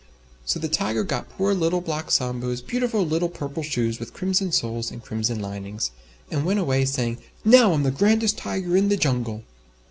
So the Tiger got poor Little Black Sambo's beautiful little Purple Shoes with Crimson Soles and Crimson Linings, and went away saying, "Now I'm the grandest Tiger in the Jungle."